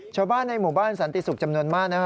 ชาวบ้านในหมู่บ้านสันติสุขจำนวนมาก